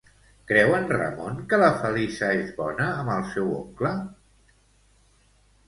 Creu en Ramon que la Feliça és bona amb el seu oncle?